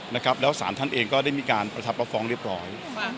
นะครับแล้วสารท่านเองก็ได้มีการประทับรับฟ้องเรียบร้อย